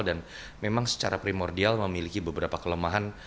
dan memang secara primordial memiliki beberapa kelemahan